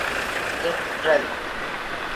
Get ready.